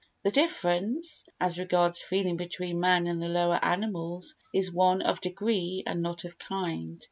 The difference as regards feeling between man and the lower animals is one of degree and not of kind.